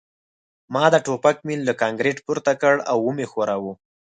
ما د ټوپک میل له کانکریټ پورته کړ او ومې ښوراوه